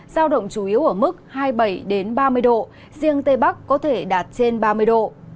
giao động chủ yếu ở mức hai mươi bảy ba mươi độ riêng tây bắc có thể đạt trên ba mươi độ